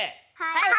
はい！